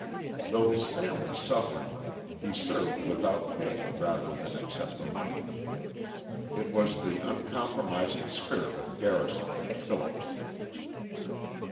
Though his family suffered, he served without pay rather than accept the money. It was the uncompromising spirit of Garrison and Phillips.